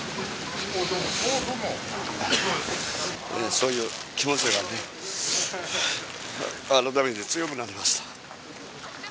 そういう気持ちがね改めて強くなりました